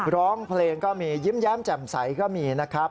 ร้องเพลงก็มียิ้มแย้มแจ่มใสก็มีนะครับ